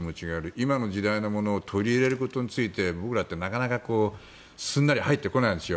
今の時代のものを取り入れることについて僕らってなかなかすんなり入ってこないんですよ。